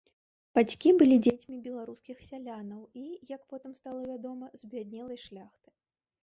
Бацькі былі дзецьмі беларускіх сялянаў і, як потым стала вядома, збяднелай шляхты.